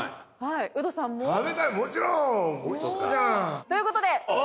ウドさんも？ということで。